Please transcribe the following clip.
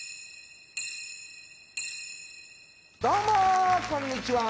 どうもこんにちは